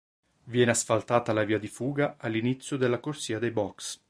Viene asfaltata la via di fuga all'inizio della corsia dei box.